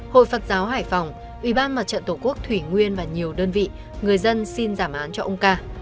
hội phật giáo hải phòng ubnd tổ quốc thủy nguyên và nhiều đơn vị người dân xin giảm án cho ông ca